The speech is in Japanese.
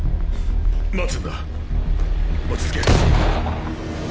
待つんだ落ち着け。